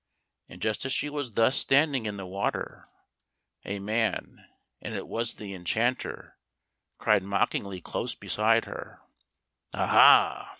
And just as she was thus standing in the water, a man, and it was the enchanter, cried mockingly close beside her, "Aha!